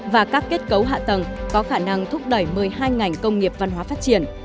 và các kết cấu hạ tầng có khả năng thúc đẩy một mươi hai ngành công nghiệp văn hóa phát triển